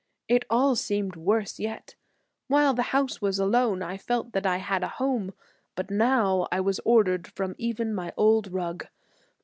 It all seemed worse yet. While the house was alone I felt that I had a home, but now I was ordered from even my old rug.